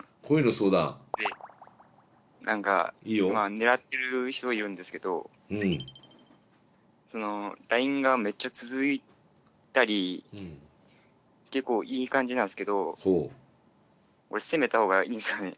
なんか今ねらってる人がいるんですけどそのＬＩＮＥがめっちゃ続いたり結構いい感じなんすけど攻めたほうがいいんすかね？